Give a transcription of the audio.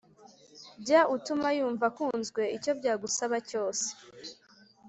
jya utuma yumva akunzwe, icyo byagusaba cyose